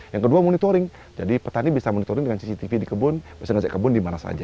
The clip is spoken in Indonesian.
yang kedua monitoring jadi petani bisa monitoring dengan cctv di kebun bisa ngasih kebun di mana saja